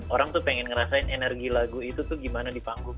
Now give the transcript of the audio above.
orang tuh pengen ngerasain energi lagu itu tuh gimana di panggung